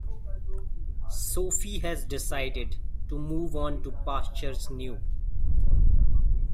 Sophie has decided to move on to pastures new.